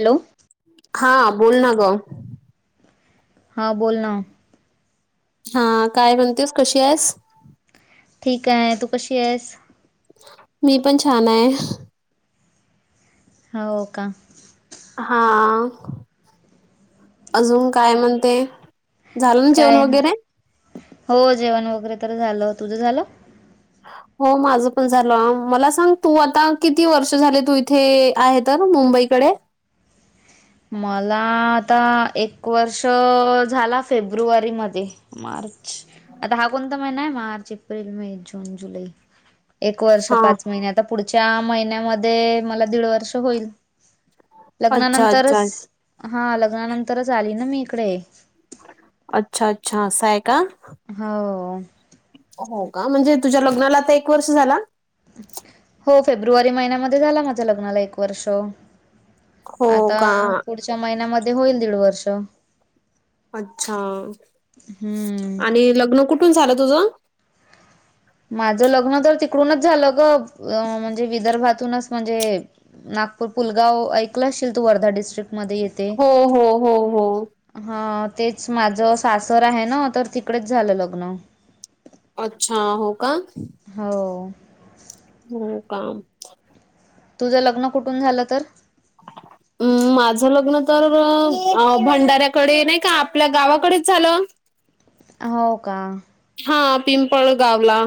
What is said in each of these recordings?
Hello. हा बोल ना गं. हां बोल ना हा काय म्हणतेस कशी आहेस? ठीक हाय तू कशी आहेस? मी पण छान हाय. हो का? हा अजून काय म्हणते? झालं ना जेवण काय वगैरे? नाही हो जेवण वगैरे तर झालं तुझं झालं? हो माझं पण झालं मला सांग तू आता किती वर्ष झाले तू इथे आहेत? तर मुंबईकडे मला आता एक वर्ष झाला फेब्रुवारीमध्ये मार्च आता हा कोणता महिना आहे मार्च, एप्रिल, मे, जून, जुलै एक वर्ष हा पाच महिने आता पुढच्या महिन्यामध्ये मला दीड वर्ष होईल. अच्छा लग्नानंतरच हा लग्नानंतरच आली ना मी इकडे अच्छा अच्छा असंय का हो हो का म्हणजे तुझ्या लग्नाला आता एक वर्ष झाला हो फेब्रुवारी महिन्यामध्ये झाला माझ्या लग्नाला एक वर्ष हो आता का पुढच्या महिन्यामध्ये होईल दीड वर्ष. अच्छा हम्म. आणि लग्न कुठून झालं तुझं? माझं लग्न तर तिकडूनच झालं ग अ म्हणजे विदर्भातूनच म्हणजे नागपूर पुलगाव ऐकलं असशील तू वर्धा डिस्ट्रिक्ट मध्ये येते. हो हो हो हो हा तेच माझं सासर आहे, ना तर तिकडेच झालं लग्न. अच्छा हो का. हो. होय का. तुझं लग्न कुठून झालं तर? अ. माझ लग्न तर अ भंडाऱ्याकडे नाही का आपल्या गावाकडेच झालं. हो का. हा पिंपळ गावला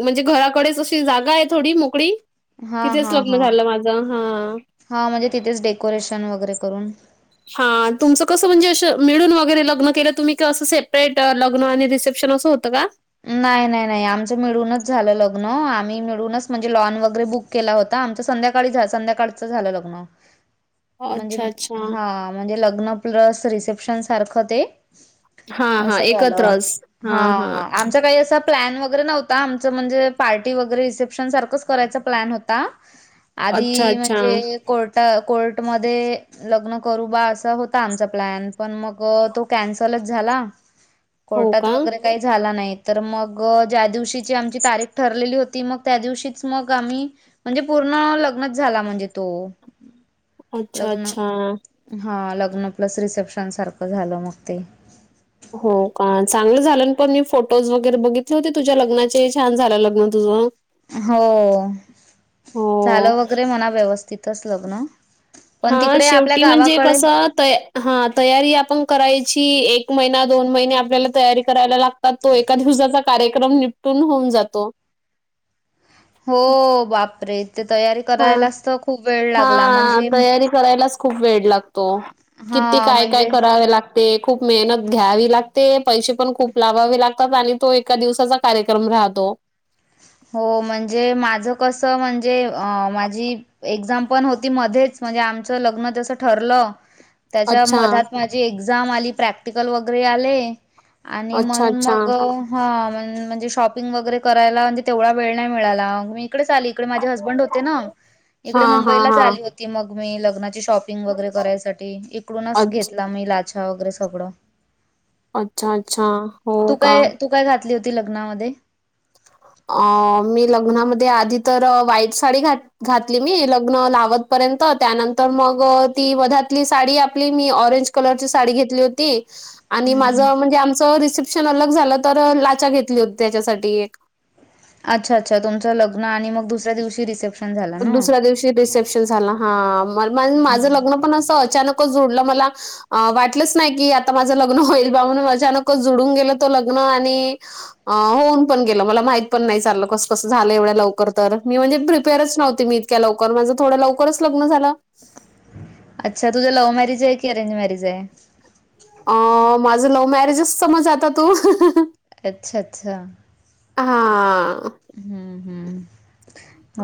म्हणजे घराकडेच अशी जागा आहे थोडी मोकळी. हा तिथेच हा लग्न हा झालं माझं हां. हां म्हणजे तिथेच डेकोरेशन वगैरे करून. हा तुमचं कसं म्हणजे अश मिळून वगैरे लग्न केलं तुम्ही काय असं सेपरेट लग्न आणि रिसेप शन असं होतं का? नाही नाही नाही आमचं मिळूनच झालं लग्न, आम्ही मिळूनच म्हणजे लॉन वगैरे बुक केला होता आमचं संध्याकाळी संध्याकाळच झालं लग्न म्हणजे अच्छा, अच्छा. हा म्हणजे लग्न प्लस रिसेप्शन सारखं ते हां, हां. असं झालं एकत्रच. हां. आमचा काही असा प्लॅन वगैरे नव्हता. आमचं म्हणजे पार्टी वगैरे रिसेप्शन सारखंच करायचा प्लॅन होता. अच्छा आधी अच्छा. म्हणजे कोर्टा कोर्टमध्ये लग्न करू बा असा होता आमचा प्लॅन पण मग तो कॅन्सलच झाला. हो कोर्टात का? वगैरे काही झाला नाही. तर मग ज्या दिवशीची आमची तारीख ठरलेली होती. मग त्या दिवशीच मग आम्ही म्हणजे पूर्ण लग्नच झाला म्हणजे तो अच्छा लग्न अच्छा. हा लग्न प्लस रिसेप्शन सारखं झालं मग ते. हो का? चांगलं झालं ना पण. मी फोटोज वगैरे बघितले होते तुझ्या लग्नाचे. छान झालं लग्न तुझं. हो. हो. झालं वगैरे म्हणा, व्यवस्थितच लग्न. पण हां तिकडे आपल्या शेवटी म्हणजे गावाकडे कसं त हा. तयारी आपण करायची. एक महिना दोन महिने आपल्याला तयारी करायला लाग ता. तो एका दिवसाचा कार्यक्रम निपटून होऊन जातो. हो बापरे. ते तयारी हा. करायलाच तर खूप वेळ लागला हां म्हणजे तयारी करायलाच खूप वेळ लागतो. किती हा काय काय म्हणजे करावे लाग ते. खूप मेहनत घ्यावी लागते. पैसे पण खूप लागावे लागतात. आणि तो एका दिवसाचा कार्यक्रम राहतो. हो म्हणजे माझं कसं म्हणजे अ माझी एक्झाम पण होती मध्येच. म्हणजे आमचं लग्न जसं ठरलं. तेच्या अच्छा, मधात माझी एक्झाम आली. प्रॅक्टिकल वगैरे आले. आणि अच्छा, म्हणून अच्छा. मग, हा म्हणजे शॉपिंग वगैरे करायला म्हणजे तेवडा वेळ नाही मिळाला. मी इकडेच आली इकडे माझे हसबंड होते ना. इकडे हां, हां, मुंबईलाच हां. आली हो ती मग मी लग्नाची शॉपिंग वगैरे करायसाठी. इकडूनच अच्छ घेतला मी लाछा वगैरे सगळं. अच्छा, अच्छा. हो का? तु काय घातली होती. लग्नामध्ये? अ मी लग्नामध्ये आधी तर व्हाईट साडी घात घातली मी. लग्न लावतपर्यंत. त्यानंतर मग ती वधतली साडी आपली मी ऑरेंज कलरची साडी घेतली होती. आणि हं. माझं म्हणजे आमचं रिसेप्शन अलग झालं. तर लाचा घेतली होती त्याच्यासाठी एक. अच्छा, अच्छा. तुमचं लग्न मग दुसऱ्या दिवशी रिसेप्शन झाला ना दुसऱ्या दिवशी रिस प्शन झाला हा. माझ हम्म. लग्न पण अस अचानकच जोडलं. मला अ वाटलंच नाही की आता माझं लग्न होईल बा. म्हणून अचानकच जुडून गेलं तो लग्न. आणि होऊन पण गेलं. मला माहित पण नाही चालं. कस कसं झालं एवढ्या लवकर तर. मी म्हणजे प्रिपेअरच नवते मी इतक्या लवकर. माझं थोडं लवकरच लग्न झालं. अच्छा तुझं लव्ह मॅरिजे की, अरेंज मॅरेजे? अ माझं लव्ह मॅरेजच समज आता तू. अच्छा, अच्छा. हा. हम्म हम्म.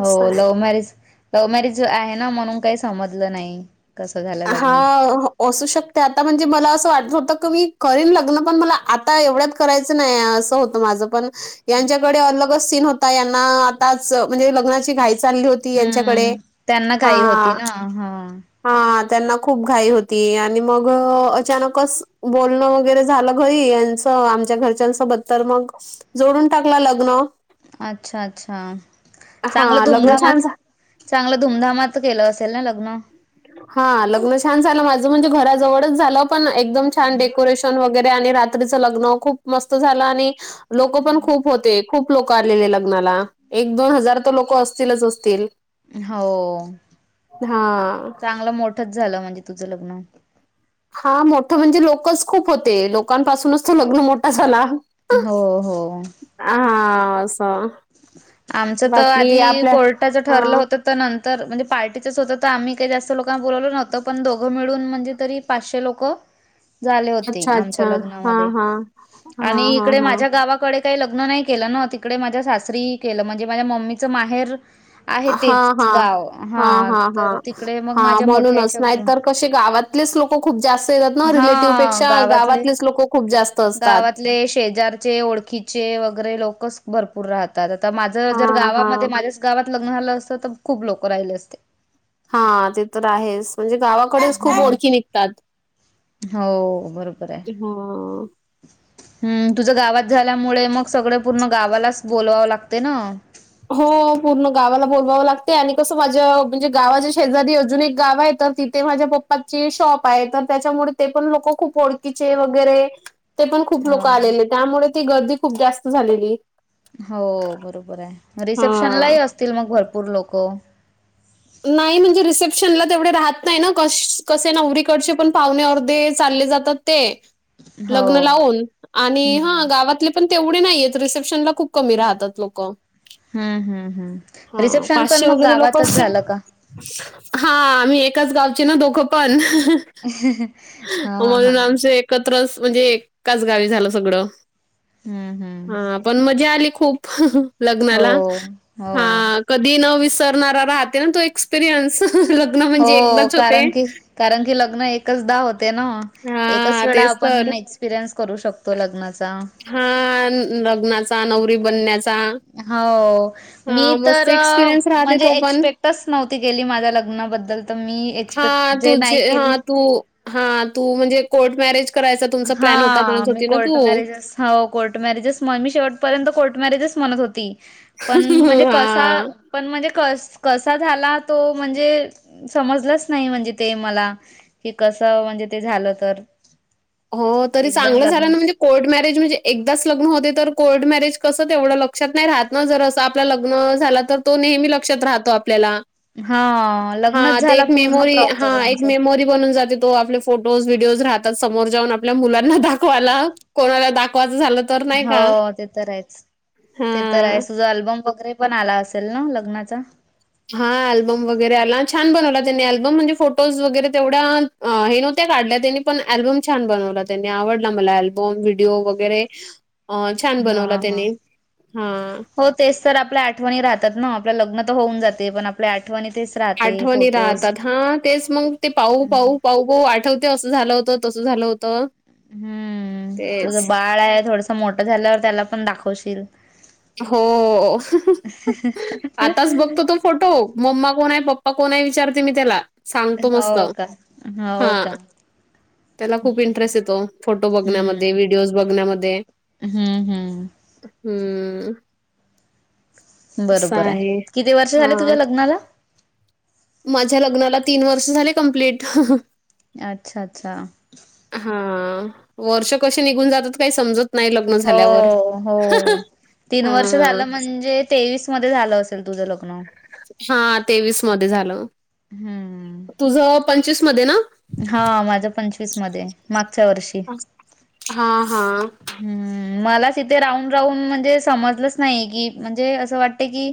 असं आहे. लव्ह मॅरेज लव मॅरेज आहे ना. म्हणून काही समजलं नाही. कसं झालं लग्न हा. असू शकते. आता म्हणजे मला असं वाटत होतं का? मी करीन लग्न. पण मला आता एवढ्यात करायचं नाही. असं होतं माझं. पण यांच्याकडे अलगच सीन होता. यांना आताच म्हणजे लग्नाची घाई चालली होती हम्म यांच्याकडे. त्यांना घाई होती हा. ना हा हा. त्यांना खूप घाई होती. आणि मग, अचानकच बोलणं वगैरे झालं घरी. आमच्या घरच्यां सोबत. तर मग जोडून टाकला लग्न. अच्छा, अच्छा. चांगलं हां, लग्न छान धूमधामात चांगलं धूमधामात केलं असेल ना लग्न? हा लग्न छान झालं माझ म्हणजे घराजवळच झालं पण एकदम छान डेकोरेशन वगैरे आणि रा रात्रीच लग्न खूप मस्त झालं आणि लोक पण खूप होते. खूप लोक आलेले लग्नाला, एक दोन हजार तर लोक असतीलच असतील. हो, हा चांगलं मोठच झालं म्हणजे तुझं लग्न. हा मोठ म्हणजे लोकच खूप होते लोकांपासूनच तो लग्न मोठा झाला. हो हो. हा अस. आमच तर आधी कोर्टाच हा ठरलं होत. तर नंतर म्हणजे पार्टीचं होतं तर आम्ही काही जास्त लोकांना बोलवलं नव्हतं पण दोघं मिळून म्हणजे तरी पाचशे लोक [inaudible] झाले होते अच्छा आमच्या अच्छा हा लग्नामध्ये, हा हा आणि हा इकडे हा माझ्या गावाकडे ते लग्न नाही केलं न तिकडे माझ्या सासरी केलं म्हणजे माझ्या मम्मीचं माहेर आहे हा तेच हा, गाव हा हा हा, तर तिकडे मग हा माझ्या मोठ्या म्हणूनच याच्या नाही घरून तर कसे गावात तलेच लोक खूप जास्त येतात ना हा रिलेटिव्हपेक्षा गावातलेच लोक खूप जास्त असतात. ले शेजारचे ओळ खिचे वगैरे लोकच भरपूर राहतात आता माझं जर हां, गावामध्ये हां. माझ्या गावात लग्न झालं असतं तर खूप लोक राहिले असते. हा ते तर आहेच म्हणजे गावा कडेच खूप हम्म. ओळखी निघतात, हो बरोबर ह. हम् तुझं गावात झाल्यामुळे मग सगळे पूर्ण गावालाच बोलवावं लागते न. हो पूर्ण गावाला बोलवावं लागते आणि कसं माझ्या म्हणजे गावाच्या शेजारी अजून एक गाव आहे तर ति ते माझ्या पप्पाचे शॉप आहे तर त्याच्यामुळे ते पण लोक खूप ओळखीचे वगैरे ते पण खूप लोक हा आलेले त्यामुळे ती गर्दी खूप जास्त झालेली. हो बरोबर आहे, हां. रिसेप्शनलाही असतील मग भरपूर लोक? नाही म्हणजे रिसेप्शनला तेवढे राहत नाही ना कश - कसे नावरीकडचे पण पाहुणे अर्धे चालले जातात. ते, लग्न हो लावून, आणि हा हम्म. गावातले पण तेवढे नाहीेत रिसेप्शन ला खूप कमी राहतात लोक. हा हा हा, रिसेप्शन पण मग गावातच झालं का? हा आम्ही एकाच गावचे ना दोघं पण. हा हा. म्हणून आमचं एकत्रच म्हणजे एकाच गावी झालं सगळं. हा हा. हां, पण मजा आली खूप हो लग्नाला, हा. हो. कधी न विसरणारा राहते ना तो एक्सपिरियन्स लग्न म्हणजे हो एकदाच होते. कारण की कारण की लग्न एकचदा होते न. एकच हां, वेळा तेच आपण तर. एक्सपिरियन्स करू शकतो लग्नाचा. हा लग्नाचा नवरी बनण्याचा. हो, मी हा मस्त तर, एक्सपिरियन्स राहते म्हणजे तो पण. एक्सपेक्ट टस नव्हती गेली माझ्या लग्नाबद्दल तर मी. एक्सपेक्ट हा जे तुझे नाही केली हा तू, हा तू म्हणजे कोर्ट मॅरेज करायचा तुमचा प्लॅन होता म्हणत होती न तु. हवा कोर्ट मॅरेजेस म्हण मी शेवटपर्यंत कोर्ट मॅरेजेच म्हणत होती. पण म्हणजे कसा हां. पण म्हणजे क - कसा झाला तो म्हणजे समजलाच नाही म्हणजे ते मला. हे कसं म्हणजे ते झालं तर. हो, तरी एकदम चांगलं झालं ना लग्न म्हणजे कोर्ट मॅरेज म्हणजे, एकदाच लग्न होते, तर कोर्ट मॅरेज कसं तेवढं लक्षात नाही राहत ना, जर असं आपलं लग्न झाल तर तो नेहमी लक्षात राहतो आपल्याला. हा हा, लग्नच ते झाला एक पूर्ण मेमोरी, हा, प्रॉपर एक आमचं. मेमोरी बनून जाते तो आप फोटो व्हिडिओ राहतात, समोर जाऊन आपल्या मुलांना दाखवायला, कोणाला दाखवाचं झालं तर नाही का. हो, ते तर आहेच, ते तर आहे, हा. तुझा अल्बम वगैरे पण आला असेल ना, लग्नाचा? हा, अल्बम वगैरे आला, छान बनवला त्यांनी अल्बम, म्हणजे फोटोज वगैरे तेवढा अ हे नव्हत्या काढल्या त्यांनी पण अल्बम छान बनवला त्यांनी, आवडला मला, अल्बम, व्हिडिओ वगैरे अ छान हा बनवला हा. त्यानी, हा. हो, तेच तर, आपल्या आठवणी राहतात ना, आपल्या लग्न तर होऊन जाते, पण आपल्या तेस आठवणी राहतात, हा, तेच मग ते पाहू पाहू पाहू पाहू, आठवत ते असं झालं होतं, तसं झालं होतं. हम्म! तुझ तेच बाळ आहे, थोडस मोठं झाल्यावर त्याला पण दाखवशील हो, आताच बघतो तो फोटो हो, मम्मा कोण आहे? पप्पा कोण आहे? विचारते मी त्याला. सांगतो मस्त, हो का हो हा. का त्याला खूप इंटरेस्ट येतो, फोटो हम्म. बघण्यामध्ये, व्हिडिओज बघण्यामध्ये. हम्म! हम्म हम्म! बरोबर आहे, किती वर्ष झाले तुझ्या हां. लग्नाला? माझ्या लग्नाला तीन वर्ष झाले कंप्लीट. अच्छा अच्छा. हा, वर्ष कसे निघून जातात काय समजत नाही लग्न हो, झाल्यावर. हो, तीन वर्ष हां. झालं म्हणजे तेवीस मध्ये झालं असेल तुझं लग्न? हा, तेवीस मध्ये झालं. हम्म तुझ पंचवीस मध्ये ना? हा, माझ् पंचवीस मध्ये, मागच्या वर्षी हा हा. हम्म! मला तिथे राहून राहून म्हणजे समजलंच नाही, की म्हणजे असं वाटते की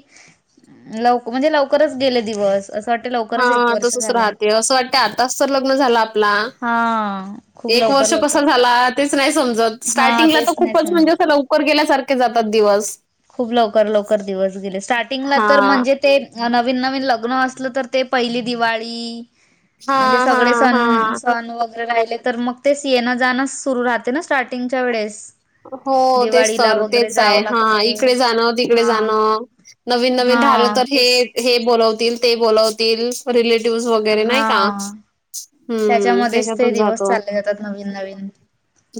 लव म्हणजे लवकरच गेले दिवस वाटते लवकरच एक हा, वर्ष तसच झाला राहते, असं वाटते आताच तर लग्न झालं आपला. हा खूप एक लवकर वर्ष कस लवकर झाला, तेच नाही समजत, हा स्टार्टिंगला तर तेच नाही खूपच समजत म्हणजे ल गेल्यासारखे जातात दिवस. खूप लवकर लवकर दिवस गेले, स्टार्टिंगला तर हां. म्हणजे ते नवीन नवीन लग्न असलं तर ते, पहिली दिवाळी, म्हणजे हां, सगळे हां, सन, हां. सन वग राहिले तर, मग ते येणं जाणं सुरु राहते ना स्टार्टिंगच्या वेळेस. हो, तेच दिवाळीला तर, वगैरे तेच आहे जावं हा, लागते इकडे जाणं तिकडे हा जाणं नवीन नवीन धारलं हा तर हे तेच हे बोलवतील, ते बोलवतील, रिलेटिव्हज वगैरे नाही का. हा हम्म! त्याच्यामध्येच ते त्याच्यातच दिवस जातो. चालले जातात नवीन नवीन,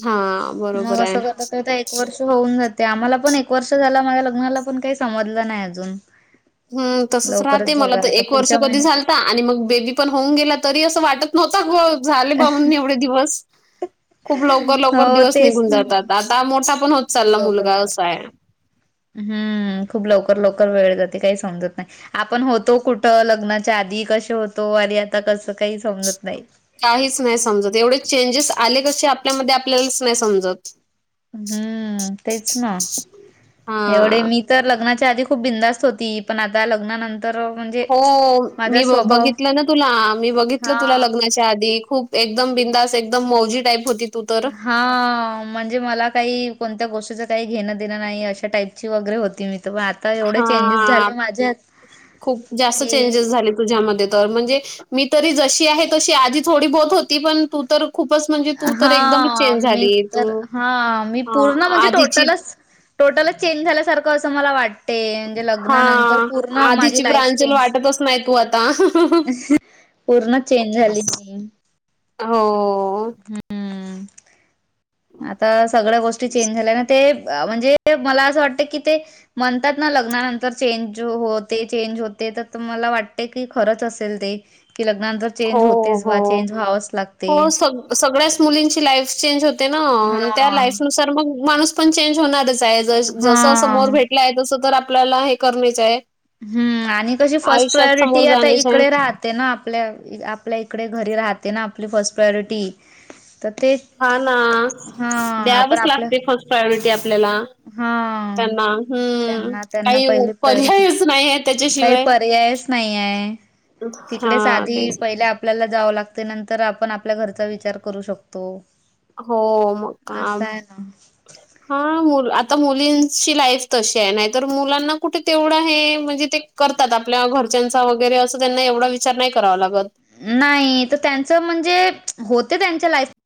हां, मग बरोबर आहे. असं करता करता एक वर्ष होऊन जाते आम्हाला पण एक वर्ष झाला माझ्या लग्नाला पण काय समजलं नाय अजून. हम् तसच राहते लवकरच मला झाला तर आता एक वर्ष पुढच्या कधी महिन्यात झालं आणि मग बेबी पण होऊन गेला तरी असं वाटत नव्हता झाले बाबा एवढे दिवस. खूप लवकर लवकर हो दिवस तेच निघून ना जातात आता मोठा पण होत खूप चालला लवकर मुलगा लवकर असाय. हम्म खूप लवकर लवकर वेळ जाते काय समजत नाय. आपण होतो कुठं लग्नाच्या आधी कशे होतो आणि आता कसं काही समजत नाय. काहीच नाय समजत एवढे चेंजेस आले कसे आपल्यामध्ये आपल्यालाच नाय समजत. हम्म तेच ना एवढे हां. मी तर लग्नाच्या आधी खूप बिंदास्त होती पण आता लग्नानंतर म्हणजे हो माझा मी स्वभाव बघितलं ना तुला मी बघितलं तुला हा. लग्ना आधी खूप एकदम बिंदास एकदम मौजी टाईप होती तू तर. हा म्हणजे मला काही कोणत्या गोष्टीचं काही घेणं देणं नाही अशा टाईपची वगैरे होती मी तर पण आ हा खूप जास्त की चेंजेस झालेत. तुझ्यामध्ये तर म्हणजे मी तरी जशी आहे तशी आधी थोडी बोत होती पण तू तर खूपच म्हणजे तू तर एकदमच हा चेंज मी झाली तू तर हा मी पूर्ण हां म्हणजे आधीची टोटलच टोटलच चेंज झाल्यासारखं असं मला वाटं ते म्हणजे लग्नानंतर हां. पूर्ण माझी आधीची लाईफ प्रांजल चेंज वाटतच नाही तू आता. पूर्ण चेंज झाली की. हो. हम्म आता सगळ्या गोष्टी चेंज झाल्या ना ते अ -म्हणजे मला असं वाटत की ते म्हणतात ना लग्नानंतर चेंज होते चेंज होते तर मला वाटते की खरंच असेल ते. कि लग्नानंतर चेंज हो, होतेच बा चेंज हो. व्हावंच हो लागते. सग सगळ्याच मुलींची लाईफ चेंज होते ना त्या हा लाईफ नुसार मग माणूस पण चेंज होणारच हाय. जस समोर हा भेटलाय तस तर आपल्याला हे करनेच हाय. हम्म आणि कशी फर्स्ट प्रायोरिटी आता जाणेच आहे. इकडे राह ते ना आपल्या आपल्या इकडे घरी राहते ना आपली फर्स्ट प्रायोरिटी. तर ते हा ना हा आपण द्यावच आपलं लागते फर्स्ट प्रायोरिटी आपल्याला. हा त्यांना हम्म त्यांना त्यांना काही पहिली प्रायोरिटी पर्यायच नाय या त्याच्याशिवाय. नाहीये तिकडेच हां आधी तेच. पहिल्या आपल्याला जावं लागतय नंतर आपण आपल्या घरचा विचार करू शकतो. हो म असं काम आहे ना हा मुल आता मुलींची लाईफ तशी आहे नाय तर मुलांना कुठे तेवढं हाय म्हणजे ते करतात आपल्या घरच्यांचा वगैरे असं त्यांना एवढा विचार नाय करावा लागत. नाय तर त्यांचं म्हणजे होत त्यांच्या लाईफ